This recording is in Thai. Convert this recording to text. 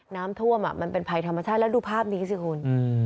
น้ำมันมันเป็นภัยธรรมชาติแล้วดูภาพนี้สิคุณ